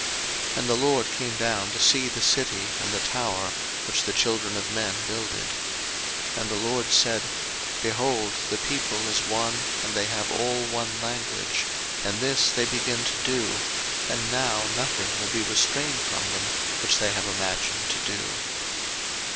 01:011:005 And the LORD came down to see the city and the tower, which the children of men builded. 01:011:006 And the LORD said, Behold, the people is one, and they have all one language; and this they begin to do: and now nothing will be restrained from them, which they have imagined to do.